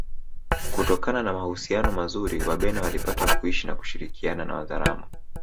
kutokana na mahusiano mazuri Wabena walipata kuishi na kushirikiana na Wazaramo